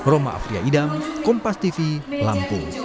roma afria idam kompas tv lampung